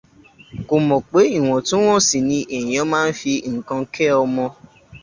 Kò mọ̀ pé ìwọ̀ntúnwọ̀nsì ni èèyàn máa ń fi nǹkan kẹ́ ọmọ